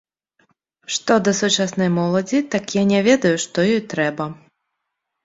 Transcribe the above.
Што да сучаснай моладзі, так я не ведаю, што ёй трэба.